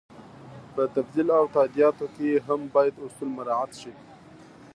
په تبدیل او تادیاتو کې هم باید اصول مراعت شي.